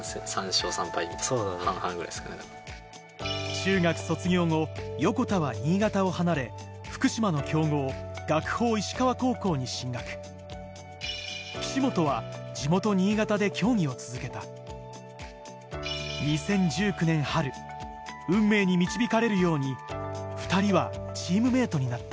中学卒業後横田は新潟を離れ福島の強豪学法石川高校に進学岸本は地元新潟で競技を続けた２０１９年春運命に導かれるように２人はチームメートになった